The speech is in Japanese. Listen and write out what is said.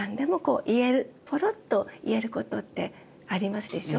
ぽろっと言えることってありますでしょ。